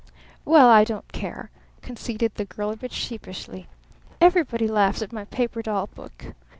"Well, I don't care," conceded the girl a bit sheepishly. "Everybody laughs at my paper doll book!